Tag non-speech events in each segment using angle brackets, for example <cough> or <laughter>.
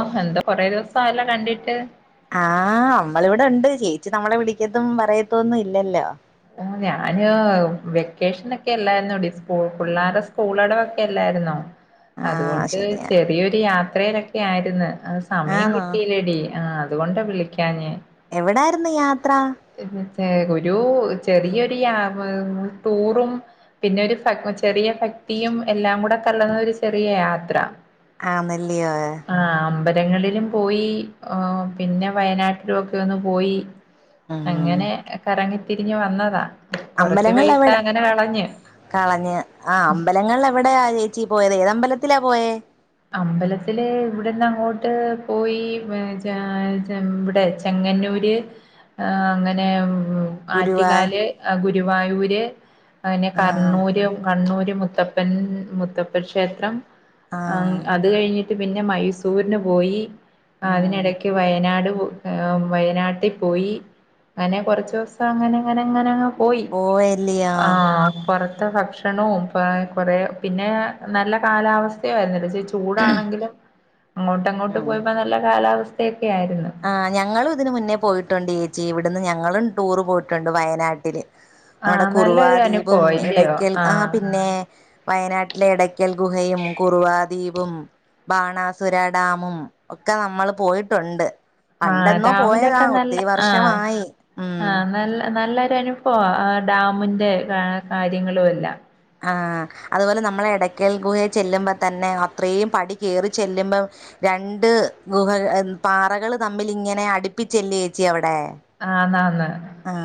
ഓ എന്താ കൊറെ ദിവസായല്ലോ കണ്ടിട്ട് ആഹ് നമ്മളി ഇവിടെ ഉണ്ട് ചേച്ചി നമ്മളെ വിളിക്കത്തും പറയത്തൊന്നും ഇല്ലല്ലോ ഞാന് വെക്കേഷൻ ഒക്കെ അല്ലായിരുന്നോടി സ്കൂൾ പിള്ളേരെടെ സ്കൂൾ അടവൊക്കെ അല്ലായിരുന്നോ ആഹ് അതുകൊണ്ട് ശരിയാ ചെറിയൊരു യാത്രയിലൊക്കെ യായിരുന്ന് ആ സമയം ആന്നോ കിട്ടിയില്ലടി ആ അതുകൊണ്ട വിളിക്കാഞ്ഞേ എവിടായിരുന്ന് യാത്ര <unintelligible> ചെറിയൊരു യ ടൂറും പിന്നെ ഒരു ചെറിയ ഭക്തിയും എല്ലാം കൂടെ കലർന്ന ഒരു ചെറിയ യാത്ര ആന്നെല്ലിയോ സ്ഥലങ്ങളിലും പോയി ആ പിന്നെ വയനാട്ടിലും ഒക്കെ ഒന്ന് പോയി ഉം അങ്ങനെ കറങ്ങി തിരിഞ്ഞ് വന്ന വന്നത അമ്പലങ്ങളിൽ എവിട കളഞ്ഞ ആ അമ്പലങ്ങളിൽ എവിടെ ആ ചേച്ചി പോയത് ഏതമ്പല ത്തിലാ പോയേ അമ്പലത്തില് ഇവിടെന്ന് അങ്ങോട്ട് പോയി ഇവിടെ ചെങ്ങന്നൂര് അങ്ങനെ ഗുരുവായ ആറ്റൂകാല് ഗുരുവായൂര് അങ്ങനെ ആഹ് കണ്ണൂരും കണ്ണൂരും മു മുത്തപ്പൻ മുത്തപ്പ ക്ഷേത്രം ആ ആഹ് അത് കഴിഞ്ഞി പിന്നെ മൈസൂറിന് പോയി ഉം അതിനിടക്ക് വയനാടും വയനാട്ടിൽ പോയി അങ്ങനെ കൊറച്ച് ദിവസം അങ്ങനങ്ങനങ്ങ പോയി പോയല്ലിയോ ആ പുറത്തെ ഭക്ഷ <unintelligible> കുറെ പിന്നെ നല്ല കാലാവസ്ഥ <unintelligible> ചൂടാണെങ്കിലും അങ്ങോട്ട് അങ്ങോട്ട് പോയപ്പോ നല്ല കാലാവസ്ഥ ആഹ് ഞങ്ങള് ഇതിന് മുന്നേ പോയിട്ടുണ്ട് ചേച്ചി ഇവിടുന്ന് ഞങ്ങളും ടൂറ് പോയിട്ടുണ്ട് വയനാട്ടിൽ നമ്മടെ ആഹ് കുറുവാ നല്ലൊരു അനുഭവ ദ്വീപും ഇല്ലയോ ഇടയ്ക്കൽ ആ ആഹ് പിന്നെ വയനാട്ടിലെ ഇടയ്ക്കൽ ഗുഹയും കുറുവാ ദ്വീപും ബാണാസുര ഡാമും ഒക്കെ നമ്മള് പോയിട്ടുണ്ട് ആഹ് പണ്ടെന്നോ പോയതാ ഡാമിലൊക്കെ നല്ല ഒത്തിരി ആഹ് വർഷമായി ഉം ആഹ് നല്ല നല്ല ചിലപ്പോ ഡാമിന്റെ കാര്യങ്ങളും ആല്ല ആഹ് അതുപോലെ നമ്മൾ ഇടയ്ക്കൽ ഗുഹയിൽ ചെല്ലുമ്പോൾ തന്നെ അത്രയും പടി കയറി ചെല്ലുമ്പോൾ രണ്ട് ഗുഹ പാറകൾ തമ്മിലിങ്ങനെ അടുപ്പിച്ചല്ലെ ചേച്ചി അവിടെ ആഹ് ന്ന് ആഹ് ന്ന് ആ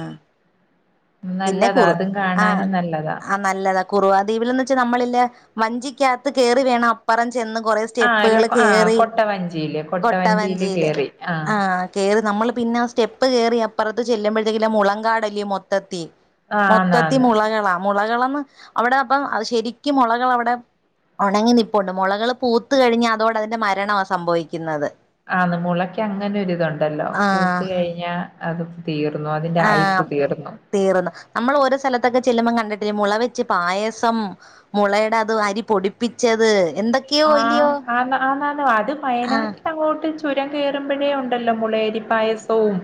പിന്നെ നല്ലതാ കുറു അതും ആഹ് കാണാനും നല്ലതാ ആഹ് നല്ലതാ കുറുവാ ദ്വീപിലൊന്നിച്ച് നമ്മളില് വഞ്ചിക്കകത്ത് കയറി വേണം അപ്പറെ ചെന്ന് കുറെ ആഹ് അല്ല സ്റ്റെപ്പുകൾ ആഹ് കേറി കൊട്ടവഞ്ചിയില് കൊട്ട കൊട്ടവഞ്ചിയില് വഞ്ചിയില് കേറി ആഹ് കേറി നമ്മൾ പിന്നെ സ്റ്റെപ്പ് കേയറി അപ്പുറത്ത് ചെല്ലുമ്പോഴത്തെക്ക് മുളങ്കാടല്ലേ മൊത്തം തത്തിൽ മൊത്തത്തിൽ ആന്നാന്ന് മുളകളാ മുളകളാ അവിടെ അപ്പ ശരിക്കും മുളകൾ അവിടെ ഉണങ്ങി നിപ്പുണ്ട് മുളകള് പൂത്ത കഴിഞ്ഞ് അതോടെ അതിന്റെ മരണമാ സംഭവിക്കുന്നത് ആന്ന് മുളക്ക് അങ്ങനൊരിതുണ്ടല്ലോ ആ പൂത്ത് കഴിഞ്ഞാ അത് തീർന്നു അതിന്റെ ആയുസ് ആഹ് തീർന്നു തീർന്നു നമ്മൾ ഓരോ സ്ഥലത്തൊക്കെ ചെല്ലുമ്പം കണ്ടിട്ടില്ലെ മുള വെച്ച് പായസം മുളയുടെ അത് അരി പൊടിപ്പിച്ചത് എന്തൊക്കെയോ ഇല്ലയോ ആഹ് ആണ് ആണ് ആണ് അത് ആഹ് വയനാട്ടിൽ അങ്ങോട്ട് ചുരം കയറുമ്പോഴേ ഉണ്ടല്ലോ മുളേരി പായസവും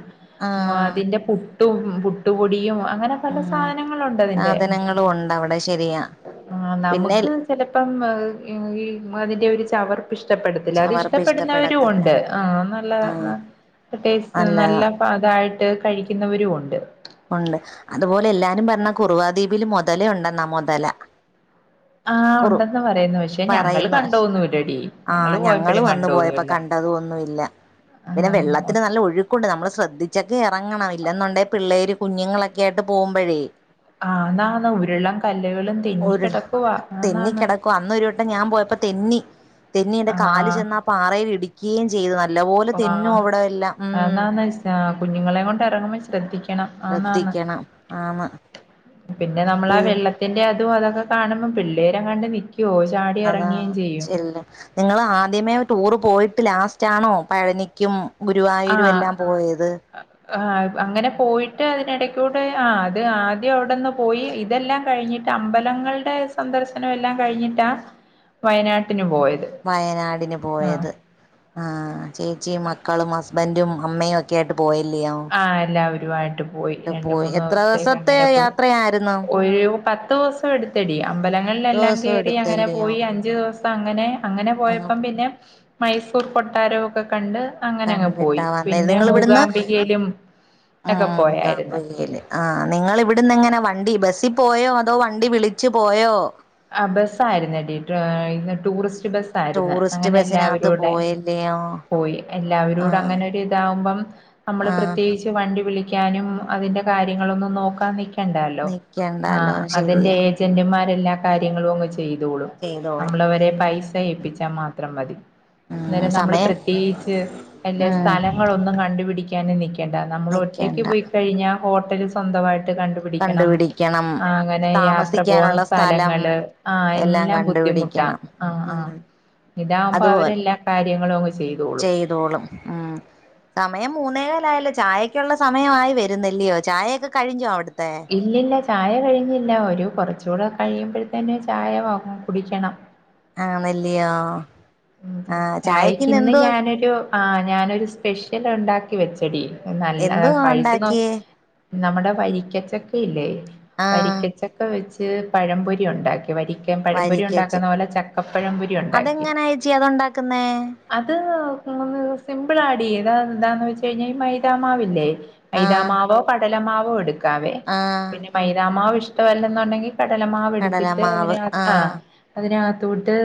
മ്മ് ആഹ് അതിന്റെ പുട്ടും പുട്ടും പുട്ടുപൊടിയും അങ്ങനെ പല ഉം സാധനങ്ങളുണ്ട് അതിന്റെ സാധനങ്ങളും ഉണ്ട് അവിടെ ശരിയാ ആഹ് പിന്നെ നമുക്ക് ചിലപ്പം <unintelligible> മ്മ് അതിന്റെ ഒരു ചവർ ഇഷ്ടപ്പെടത്തില്ല അത് ചവർപ്പ് ഇഷ്ടപ്പെടുന്നവരും ഇഷ്ടപ്പെടത്തില്ല ഉണ്ട് ആ നല്ല ആഹ് ടേസ്റ്റ് നല്ല നല്ലതാ പാകായിട്ട് അത് കഴിക്കുന്നവരും ഉണ്ട് ഉണ്ട് അതുപോലെ എല്ലാരും പറഞ്ഞെ കുറുവാദ്വീപില് മുതല ഉണ്ടെന്നാ മുതല ആഹ് കുറു ഉണ്ടെന്ന് പറയുന്നു പക്ഷെ ഞങ്ങള് പറയുന്ന കണ്ടോന്നുല്ലടി ആഹ് ഞങ്ങള് പോയപ്പഴും വന്നു പോയപ്പോ കണ്ടോന്നുല്ല കണ്ടതും ഒന്നുമില്ല പിന്നെ ആഹ് മൊ വെള്ളത്തിന് നല്ല ഒഴുക്കുണ്ട് നമ്മള് ശ്രദ്ധിച്ചു ഉച്ചക്ക് ഇറങ്ങണം ഇല്ലെന്നുണ്ടേ പിള്ളേര് കുഞ്ഞുങ്ങളൊക്കെ ആയിട്ട് പോകുമ്പോഴേ ആന്നാന്ന് ഉരുളൻ കല്ലുകളും തെന്നിക്കിടക്കുവാ ആന്നാന്ന് തെന്നിക്കിടക്കുവാ അന്നൊരു വട്ടം ഞാൻ പോയപ്പോ തെന്നി തെന്നി എന്റെ കാല് ആഹ് ചെന്നാ പാറേൽ ഇടി <unintelligible> നല്ല പോലെ തെന്നു ആഹ് അവടെ എല്ലാം ഉം കുഞ്ഞുങ്ങളേം കൊണ്ട് എറങ്ങുമ്പം ശ്രദ്ധിക്ക ണം ആന്നാന്ന ശ്രദ്ധിക്കണം ആന്ന് പിന്നെ നമ്മളാ പിന്നെ വെള്ളത്തിന്റെ <unintelligible> അതൊക്കെ കാണുമ്പം പിള്ളേരങ്ങാണ്ട് നിക്ക അതാണ് ശരില്ലേ നിങ്ങള് ആദ്യമേ ടൂറ് പോയിട്ട് ലാസ് റ്റാണോ പഴനിക്കും ഗുരുവായൂരും ആഹ് എല്ലാം പോയത് ആ അങ്ങനെ പോയിട്ട് അതിനെടക്കൂ ട്ട് ആ അത് ആദ്യം അവിടെന്ന് പോയി ഇതെല്ലാം കഴിഞ്ഞിട്ട് അമ്പലങ്ങളുടെ സന്ദർശനം എല്ലാം കഴിഞ്ഞിട്ടാ വയനാട്ടിനു വയനാടിന് പോയത് ആ ചേച്ചീം മക്കളും ഹസ് ബൻഡും അമ്മയും ഒക്കെയായിട്ട് ആ എല്ലാവരുവായിട്ട് പോയി രണ്ട് പോയി മൂന്ന് എത്ര ദിവസത്തേക്ക് ദിവസത്തെ അങ്ങനെ പോയി യാത്രയായിരുന്നു ഒരു പത്ത് ദിവസം എടുത്തെടി അമ്പലങ്ങളിലെല്ലാം ദിവസം കേറി അങ്ങനെ എടുത്തല്ലയോ പോയി അഞ്ചു ദിവസം അങ്ങനെ അങ്ങനെ പോയപ്പം അങ്ങ് പിന്നെ മൈസൂർ കൊട്ടാരവും ഒക്കെ കണ്ട് അങ്ങനെ അങ്ങ് പോയി പിന്നെ മൂകാംബി ആ മൂകാംബികേല് ആ നിങ്ങളിവിടുന്ന് എങ്ങനെ വണ്ടി ബസ് പ്പോയോ അതോ വണ്ടി വിളിച്ചു പോയോ ആ ബസ്സ് ആയിരുന്നെടി ടൂറിസ് സ്റ്റ് ബസായിരുന്ന് ടൂറിസ്റ്റ് അങ്ങനെ ബസ്സിനകത്ത് എല്ലാവരുടെ പോയല്ലയോ പോയി എല്ലാവരുടെ ആഹ് അങ്ങനെ ഒരിതാവുമ്പം നമ്മള് ആഹ് പ്രത്യേകിച്ച് വണ്ടി വിളി ക്കാനും അതിന്റെ കാര്യങ്ങളൊന്നും നോക്കാൻ നിക്കാ ക്കണ്ടാലോ ആ നിക്കണ്ടാലോ അതിൻ്റെ ശരിയാ ഏജൻ്റുമാരെല്ലാം കാര്യങ്ങളും അങ്ങ് ചെയ്യും തോളും ചെയ്തോളും നമ്മളവരെ പൈസ ഏപ്പിച്ചാ മാത്രം മതി ഉം അന്നേരം നമ്മള് സമയം പ്രത്യേകിച്ച് അല്ല ഉം സ്ഥലങ്ങളൊന്നും കണ്ടുപിടിക്ക ക്കാനും നിക്ക ണ്ട നമ്മള് ഒറ്റയ്ക്ക് നിക്കണ്ട പോയി കഴിഞ്ഞ ഹോട്ടലിൽ സ്വന്തമായി ട്ട് കണ്ട് പിടിക്കണം കണ്ടുപിടിക്കണം അങ്ങനെ യാത്ര പോവുന്ന താമസിക്കാനുള്ള സ്‌ഥല സ്ഥലം ങ്ങള് ആ എല്ലാം ബുദ്ധിമുട്ടാ ആ ആ ഉം ഇതാവുമ്പോ അതുപോലെ അവരെല്ലാ കാര്യങ്ങളും അങ്ങ് ചെയ്തോളും ഉം സമയം മൂന്നേ ഇല്ലല്ലാ ചായക്കുള്ള സമയായി വരുന്നില്ലയോ ചായയൊക്കെ കഴിഞ്ഞോ അവിടു ഇല്ലില്ല ചായ കഴിഞ്ഞില്ല ഒരു കൊറ ച്ചൂടെ കഴിയുമ്പഴ്ത്തേനും ചായ കുടിക്കണം ആഹ്ണല്ലിയാ ചായക്ക് ഇന്ന് ഞാനൊരു ആ ഞാനൊരു സ്പെഷ്യൽ ഉണ്ടാക്കി വെച്ചടി എന്തുവാ ഉണ്ടാക്കിയേ നമ്മുടെ വരിക്കച്ചക്ക ഇല്ലേ ആഹ് വരിക്കച്ചക്ക വെച്ച് ച്ച് പഴംപൊരി ഉണ്ടാക്കി വരിക്കൻ പഴംപൊരി വരിക്കച്ച് ഉണ്ടാക്കുന്ന പോലെ ചക്കപ്പഴംപൊരി ഉണ്ടാക്കി തുണ്ടാക്കുന്നേ ന്ന് സിമ്പിൾ ആടി ചെയ്താ എന്താന്ന് വെച്ച കഴിഞ്ഞാൽ ഈ മൈതാമാവില്ലേ ആഹ് മൈതാമാവോ പ കടലമാവോ എടു കാവെ ആഹ് പിന്നെ മൈതാമാവ് ഇഷ് ഇഷ്ട്ടവല്ലെന്നുണ്ടെങ്കിൽ കടല മാവ് എടുത്തിട്ട് കടലമാവ് അതിനാത്ത് ആ ആഹ് അതിനാത്ത് തോട്ട്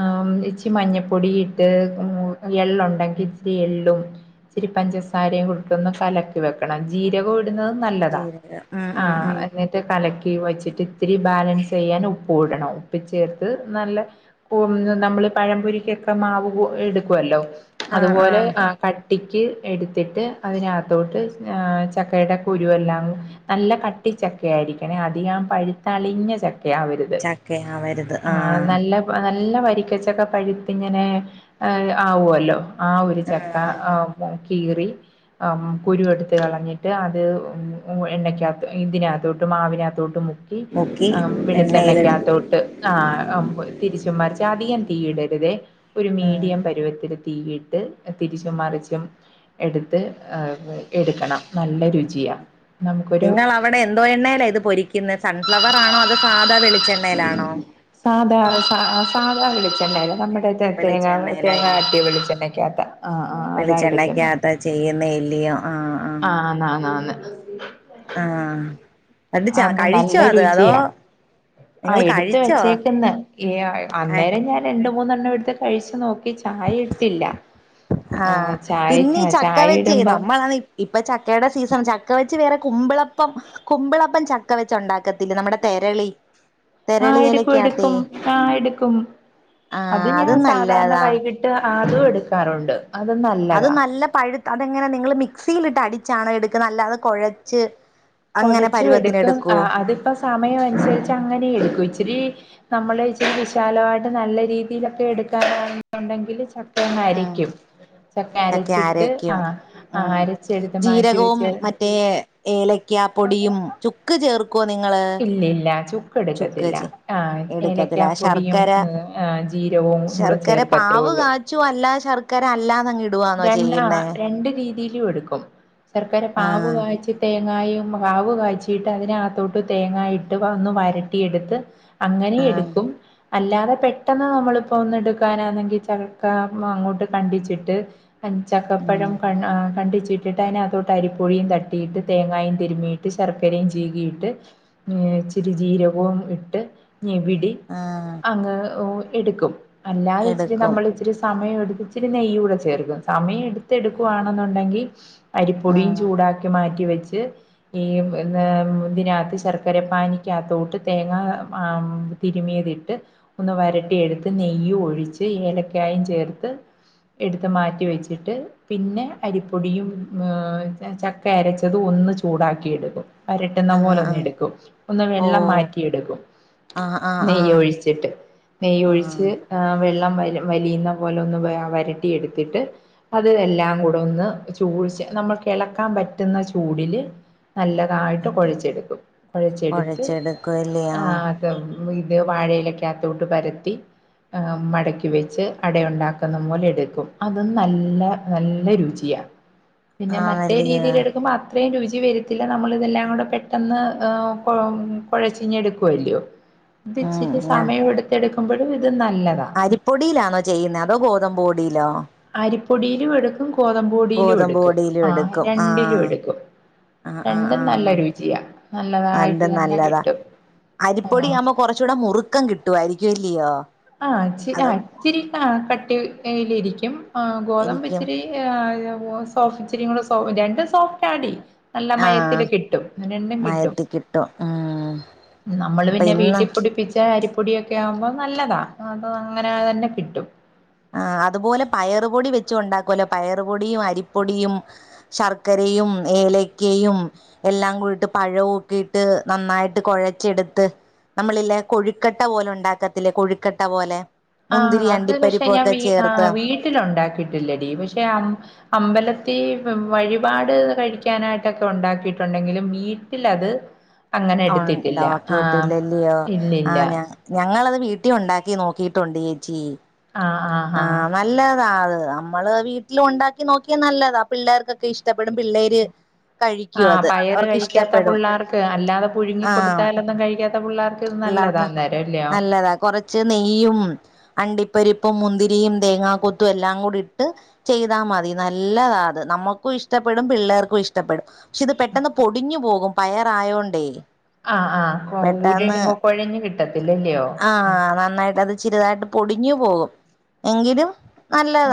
ആ ഇച്ചി മഞ്ഞ പോടി ഇട്ട് എള്ളൊണ്ടഗി ഇച്ചിരി എള്ളും ഇച്ചിരി പഞ്ചസാരയും കൂടെ ഇട്ടങ്ങ് കലക്കി വെക്കണം ജീരകോട്ട് നല്ലത ജീരകം ഉം ആ ഉം ഉം എന്നിട്ട് കലക്കി വെച്ചിട്ട് ഇത്തിരി ബാലൻസ് ചെയ്യാൻ ഉപ്പും ഇടണം ഉപ്പ് ചേർത്ത് നല്ല പ്പ നമ്മൾ പഴംപൊരിക്കൊക്കെ മാവ് എടുക്കുവല്ലോ ആഹ് അതുപോലെ ആഹ് ആ ക കട്ടിക്ക് എടുത്തിട്ട് അതിനാത്തോട്ട് ചക്കയുടെ കുരുവെല്ലാം നല്ല കട്ടിച്ചക്കയായിരിക്കണേ അധികം പഴുത്തളിഞ്ഞ ച ആവരുത് ചക്കയാവരുത് ആഹ് നല്ല നല്ല നല്ല വരിക്കച്ചക്ക പഴുത്തിങ്ങനെ ആവുല്ലോ ആ ഒരു ചക്ക ആഹ് കീറി കുരുവെടുത്ത് കളഞ്ഞിട്ട് അത് എണ്ണക്കാത്ത് ഇന്തിനാത്തോട്ട് മാവിനാത്തോട്ടും മു മുക്കി എണ്ണയിലിട്ട് വിെളിച്ചെണ്ണക്കാത്തോട്ട് ആ തിരിച്ചും മറിച്ചും അധികം തീയിടരുതേ ഒരു ഉം മീഡിയം പരുവത്തില് തീയിട്ട് തിരിച്ചും മറിച്ചും എടുത്ത് എടുക്കണം നല്ല രുചിയാ നമുക്കൊരു നിങ്ങൾ അവടെ എന്തോ എണ്ണേലാ ഇത് പൊരിക്കുന്നേ? സൺഫ്ലവർ ആണോ? അതോ സാദാ വെളി സാദാ സാ സാ സാദാ വെളിച്ചെണ്ണേലാ നമ്മൾ തേങ്ങ തേങ്ങ വെളിച്ചെണ്ണയിലായില്ലേ അട്ടിയ വിളിച്ചെണ്ണക്കകത്താ? ആ ആ അതാ എടുക്കുന്നേ. വെളിച്ചെണ്ണക്കകത്താ ചെയ്യുന്നെ ഇല്ലയോ ആഹ് ആഹ് ആ ആന്ന് ആന്ന്. ആഹ് ച അത് നല്ല കഴിച്ചോ അത് അതോ രുചിയാ. ആ നിങ്ങൾ എടുത്ത് കഴിച്ചോ വെച്ചേക്കന്ന്. ഏ ആഹ് അന്നേരം ഞാന് ണ്ട് മൂന്നെണ്ണം എടുത്ത് കഴിച്ചു നോക്കി. ചായ ഇട്ടില്ല. ആ ആഹ് പിന്നെ ചായക്ക് ഈ ചക്ക ചായ വെച്ചേ ഇടുമ്പോ നമ്മള ആണേ ഇപ്പ ചക്കേടെ സീസൺ ചക്ക വെച്ച് വേറെ കുമ്പിളപ്പം കുമ്പിളപ്പം ചക്ക വെച്ച ഉണ്ടാക്കത്തില്ലേ? നമ്മടെ തെരളി. ആ എടുക്കും തെരളിയിലക്കകത്തെ എടുക്കും ആ എടുക്കും അത് ആഹ് ഞാൻ സാധാരണ നല്ലതാ വൈകിട്ട് ആതും എടുക്കാറുണ്ട് അത് അത് നല്ലതാ നല്ല പഴുത്ത് അതെങ്ങനാ നിങ്ങള് മിക്സിലിട്ട് അടി ആണ എടുക്ക്ന്നേ അല്ലാതെ കൊഴച്ച് കൊഴച്ചു എടുക്കും ആ അതിപ്പോ സമയം അനുസരിച്ച് അങ്ങനെ എടുക്കും. ഇച്ച് രി നമ്മൾ ഇച്ച് രി വിശാലായിട്ട് നല്ല രീതിയിലൊക്കെ എടുക്കാനാണെന്നുണ്ടെങ്കില് ച അരച്ചിട്ട് ആ അരച്ചെടുത്ത് മാറ്റി വെച്ച് <unintelligible> പൊടിയും ചുക്ക് ചേർ ഇല്ല ഇല്ല ചു ചുക്കച്ച എടുക്കത്തില്ല ഏലക്കാപ്പൊടിയും ശർക്കര ജീരകവും കൂടെ ശർക്കര ചേർക്കത്തേ പാവ് കാച്ചുവോ അല്ല ശർക്കര അല്ലാതങ്ങ് ഇടുവാന്നോ രണ്ണ ചെയ്യുന്നേ രണ്ട് രീതി യുവെടുക്കും ശർക്കര പാവ് ആഹ് വായിച്ച്ട്ടേ ങ്ങായും പാവ് കാച്ചിട്ട് അതിനകത്തോട്ട് തേങ്ങായിട്ട് ഒന്ന്ന് വരട്ടിയെടുത്ത് അങ്ങനീം ആഹ് എടുക്കും. അല്ലാതെ പെട്ടെന്ന് നമ്മളിപ്പോ ഒന്ന് എടുക്കാനാണെങ്കിൽ ചക്ക അങ്ങോട്ട് കണ്ടിച്ചിട്ട് ഉം ചക്കപ്പഴം ഉം കൺ ആ കണ്ടിച്ചി ന്ന്ട്ട് അയിനകത്തോട്ട് അരിപ്പൊഴിയും തട്ടിയിട്ട് തേങ്ങായും തിരുമ്മിയിട്ട് ശർക്കരയും ചീകിയിട്ട് ഇച്ചിരി ജീരവും ഇട്ട് ഞവിടി ആഹ് അങ്ങ് ഓ എടുക്കും അല്ലാതെ ഇച്ചിരി എടുക്കും നമ്മൾ ഇച്ചിരി സമയോ ഇച്ചിരി നെയ്യൂടെ ചേർക്കും. സമയെടു ആഹ് എടുക്കുവാണെന്നുണ്ടെങ്കി അരിപ്പൊടിയും ചൂടാക്കി മാറ്റി വെ വെച്ച് നെയ്യ ഒ <unintelligible> രാത്രി ശർക്കരപ്പാനിക്കകത്തോട്ട് തേങ്ങ <unintelligible> തിരുമിയത് ഇട്ട് ഒന്ന് വരട്ടി എടുത്ത് നെയ്യും ഒഴിച്ച് ഏലക്കായും ചേർത്ത് എടുത്ത് മാറ്റി മാറ്റി വെച്ചിട്ട് പിന്നെ അരിപ്പൊടിയും ചക്ക അരച്ചതും ഒന്ന് ചൂടാക്കി എടുക്കും വരട്ടുന്ന ആഹ് ആഹ് പോലെ ആഹ് ഒന്നെടുക്കും ഒന്ന് ഓ വെള്ളം മാറ്റി എടുക്കും ആഹ് ആഹ് നെയ്യ് ആഹ് ഒഴിച്ചിട്ട് നെയ്യ് ആഹ് ഒഴിച്ച് വെ ട്ടം വലിയുന്ന പോലെ ഒന്ന് വരട്ടി എടുത്തിട്ട് അത് എല്ലാം കൂടെ ഒന്ന് ചൂട് നമ്മൾക്ക് ഇളക്കാൻ പറ്റുന്ന ചൂടില് നല്ലതായിട്ട് ആ കുഴച്ചെടുക്കും കുഴച്ചെടുത്ത് കുഴച്ചെടുക്കുവല്ലയോ അത് ഇത് വാഴയിലകത്തോട്ട് പരത്തി മടക്കി വെച്ച് അടയുണ്ടാക്കുന്ന പോലെ എടുക്കും അതും നല്ല നല്ല രുചിയാ പിന്നെ മറ്റേ ആണല്ലയോ രീതിയിൽ എടുക്കുമ്പോൾ അത്രയും രുചി ച വരത്തില്ല നമ്മൾ ഇതെല്ലാം കൂടെ പെട്ടെന്ന് കുഴചിങ്ങ് എടുക്കുവല്ലയോ ഇത് ഉം ഇച്ചിരി ഞാ സമയം എടുത്ത്ടുക്കും <inaudible> അരിപ്പൊടിയിലാണോ ചെയ്യുന്നെ അതോ ഗോതമ്പ് പൊടിയിലോ അരിപ്പൊടിയിലും എടുക്കും ഗോതമ്പൊടിയിലും ഗോതമ്പ് എടുക്കും പൊടിയിലും ആ എടുക്കും ആ രണ്ടിലും എടുക്കും ആ ആ രണ്ടും ആഹ നല്ല രുചിയാ നല്ലതായിട്ട് രണ്ടും തന്നെ നല്ലതാ കിട്ടും ആ അരിപ്പൊടി ആവുമ്പോൾ കുറച്ചുകൂടെ മുറുക്കം കിട്ടുവായിരിക്കും ഇയ്യോ ആ ഇച്ചിരി ആ ഇച്ചിരി കട്ടി കട്ടി കട്ടിയിലിരിക്കും ആ ഗോതമ്പ് ഇരിക്കും ഇച്ചിരി <unintelligible> സോഫ് ത്തിരികൂടി രണ്ടും സോഫ്റ്റ് ആടി നല്ല ആഹ് മയത്തില് കിട്ടും രണ്ടും കിട്ടും മയത്തി കിട്ടും ഉം നമ്മള് അപ്പൊ പിന്നെ ഇന്ന് വീട്ടില്പൊടിപ്പിച്ച അരി പൊടിയൊക്കെ ആകുമ്പോൾ നല്ലതാ അത് അങ്ങനെ തന്നെ കിട്ടും ആ അതുപോലെ പയറുപൊടി വെച്ച് ഉണ്ടാക്കുമല്ലോ പയർപൊടിയും അരിപ്പൊടിയും ശർക്കരയും ഏലക്കയും എല്ലാം കൂടിട്ട് പഴവുംഒക്കെ ഇട്ട് നന്നായിട്ട് കുഴച്ചെടുത്ത് നമ്മളില്ലെ കൊഴുക്കട്ട പോലെ ഉണ്ടാക്കത്തില്ലേ കൊഴുക്കട്ട പോലെ ആ മുന്തിരി അത് പക്ഷ പക്ഷെ ഞാൻ അണ്ടിപ്പരിപ്പൊക്കെ ചേർത്ത് വീട്ടില് ഉണ്ടാക്കിയിട്ടില്ലടി പക്ഷെ അമ്പല <inaudible> വഴിപാട് കഴിക്കാനായിട്ടൊക്കെ ഉണ്ടാക്കിയിട്ടുണ്ടെങ്കിലും വീട്ടിലത് അങ്ങനെ എടുത്തിട്ടില്ല ആഹ് ഉണ്ടോക്കിട്ടില്ലല്ലയോ ആ ഇല്ലില്ല ഞ ഞങ്ങളത് വീട്ട ല് ഉണ്ടാക്കി നോക്കിയിട്ടുണ്ട് ചേച്ചി ആഹ് ആഹ് ആ ആഹ് നല്ലതാ അത് നമ്മള് വീട്ടിൽ ഉണ്ടാക്കി നോക്കിയാ നല്ലതാ ആ പിള്ളേർക്കൊക്കെ ഇഷ്ടപ്പെടും പിള്ളേര് ആ കഴിക്കും അത് പയറ് അവർക്ക് കഴിക്കാത്ത ഇഷ്ടപ്പെടും പിള്ളേർക്ക് അല്ലാതെ പുഴുങ്ങി ആഹ് കൊടുത്താലൊന്നും കഴിക്കാത്ത പിള്ളേർക്ക് ഇത് നല്ലതാ പിള്ളേർക്ക് അന്നേരം അല്ലയോ നല്ലതാ കൊറച്ച് നെയ്യും അണ്ടി പരിപ്പും മുന്തിരിയും തേങ്ങാ കൊത്തും എല്ലാം കൂടി ഇട്ട് ചെയ്താൽ മതി നല്ലതാ അത് നമ്മുക്കും ഇഷ്ടപ്പെടും പിള്ളേർക്കും ഇഷ്ടപ്പെടും പക്ഷെ ഇത് പെട്ടെന്ന് പൊടിഞ്ഞു പോകും പയറ് ആയോണ്ടേ ആഹ് ആ <unintelligible> ആഹ് നന്നായിട്ട് അത് ചിരിതായിട്ട് പൊടിഞ്ഞു പോകും, എങ്കിലും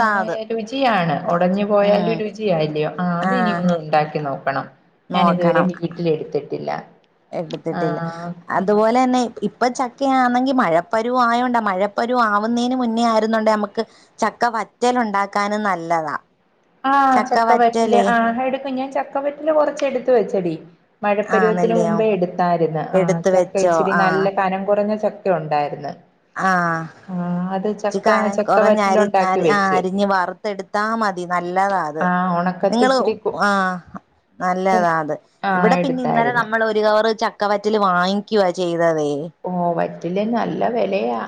ആ അത് രുചിയാണ് ഉടഞ്ഞു ഉം പോയാലും രുചിയല്ലയോ ആഹ് അത ഇനിയൊ ന്നുണ്ട ണ്ടാക്കി നോക്കണം ഞാൻ ഇതുവരെ നോക്കണം വീട്ടില എടുത്തിട്ടില്ല എടുത്തിട്ടില്ല. അതുപോലെ തന്നെ ഇപ്പ ചക്കയാന്നെങ്കി മഴ. പരുവം ആയോണ്ടേ മഴപ്പരുവം ആവുന്നേന് മുന്നേ ആയിരുന്നൊണ്ടേ നമുക്ക് ചക്ക വറ്റൽ ഉണ്ടാക്കാനും നല്ലതാ ആഹ് ചക്ക വറ്റൽ ആഹ് എടുക്കും ഞാൻ ച ചക്ക വറ്റല് കൊറച്ച് എടുത്ത് വെച്ചടി മഴ ആഹ് പരുവത്തിന് നെല്ലിയോ മുമ്പേ എടുത്തായിരുന്നു ആ എടുത്ത് ചക്ക വെച്ചോ ഇച്ചിരി ആഹ് നല്ല കനം കുറഞ്ഞ ഒക്കെ ഉണ്ടായിരുന്നു ആഹ് ആ അത് ച്ചി ചക്ക കനം ചക്ക കുറഞ്ഞ അരി അ വറ്റിലുണ്ടാക്കി ആ വെച്ച് അരിഞ്ഞ് വറുത്തെടുത്താ മതി നല്ലതത് ആ ഉണക്കത്ത് നിങ്ങൾ ഇച്ചിരി കു- ആ നല്ലതാ അത് ആ ഇവിടെ പിന്നെ ഇന്നലെ എടുത്തായിരുന്നു നമ്മൾ ഒരു കവർ ചക്കവ റ്റൽ വാങ്ങിക്കുവ ചെയ്ത് <unintelligible> റ്റല് നല്ല വെലയാ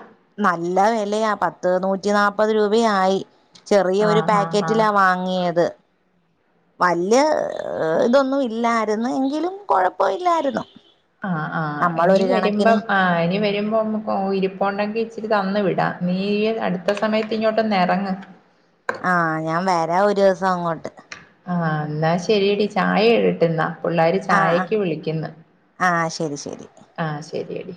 നല്ല വെലയാ പത്ത് നൂറ്റി നാല്പത് രൂപയായി ചെറിയ ആ ഒരു ആ ആ പാക്കറ്റിലാ വാങ്ങിയത് വല്യ ഇതൊന്നും ഇല്ലായിരുന്നു എങ്കിലും കൊഴപ്പം ഇല്ലായിരുന്നു ആഹ ആഹ് ഇനി വരുമ്പം ആഹ് ഇനി വരുമ്പോക്ക് ഇരിപ്പോ ഉണ്ടെങ്കിൽ ഇച്ചിരി തന്ന് വിടാം നീ അടുത്ത സമയത്ത് ഇങ്ങോട്ടൊന്നു ഇറങ്ങ് ആഹ് ഞാൻ വരാ ഒരു ദിവസം അങ്ങോട്ട് ആഹ് എന്നാ ശരിയടി ചായ ഇടാട്ട ഇന്നാ പിള്ളർ ആഹ് ചായക്ക് വിളിക്കുന്നു ആഹ് ആഹ് ശരി ശരി ആഹ് ശരിയെടി